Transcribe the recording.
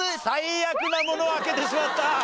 最悪なものを開けてしまった。